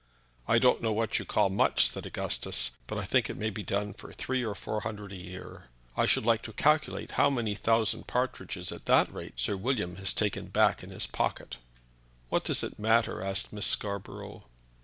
"I don't know what you call much," said Augustus, "but I think it may be done for three or four hundred a year. I should like to calculate how many thousand partridges at that rate Sir William has taken back in his pocket." "What does it matter?" asked Miss Scarborough.